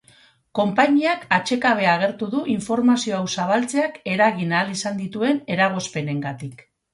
Konpainiak atsekabea agertu da informazio hau zabaltzeak eragin ahal izan dituen eragozpenengatik.